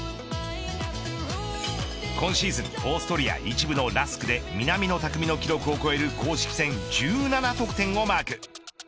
今シーズン、オーストリア１部のラスクで南野拓実の記録を超える公式戦１７得点をマーク。